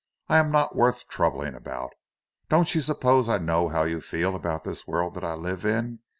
I am not worth troubling about. Don't you suppose I know how you feel about this world that I live in?